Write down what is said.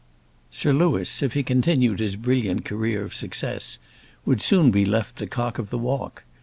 Sir Louis, if he continued his brilliant career of success, would soon be left the cock of the walk.